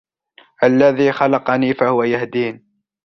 الذي خلقني فهو يهدين